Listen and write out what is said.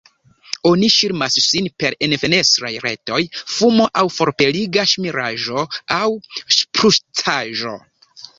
Oni ŝirmas sin per enfenestraj retoj, fumo aŭ forpeliga ŝmiraĵo aŭ ŝprucaĵo.